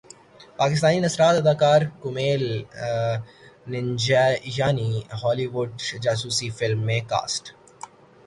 پاکستانی نژاد اداکار Kumail Nanjiani Hollywood جاسوسی فلم میں کاسٹ